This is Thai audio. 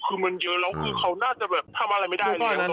คือมันเยอะแล้วคือเขาน่าจะแบบทำอะไรไม่ได้เลย